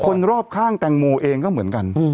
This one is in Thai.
คนรอบข้างแตงโมเองก็เหมือนกัน